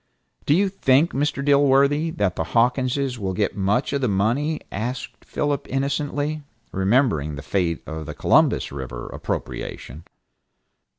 "Do you think, Mr. Dilworthy, that the Hawkinses will get much of the money?" asked Philip innocently, remembering the fate of the Columbus River appropriation.